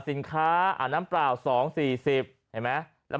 สินค้าน้ำเปล่า๒๔๐บาทเห็นมั้ย